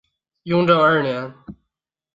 雍正二年。